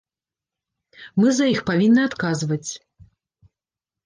Мы за іх павінны адказваць.